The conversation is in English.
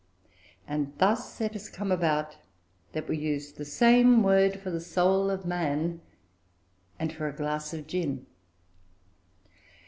And thus it has come about that we use the same word for the soul of man and for a glass of gin.